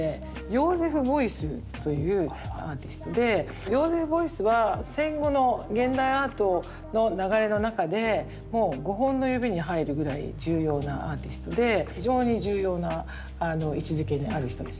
ヨーゼフ・ボイスというアーティストでヨーゼフ・ボイスは戦後の現代アートの流れの中でもう五本の指に入るぐらい重要なアーティストで非常に重要な位置づけにある人ですね。